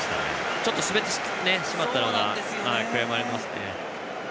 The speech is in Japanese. ちょっと滑ってしまったのが悔やまれますね。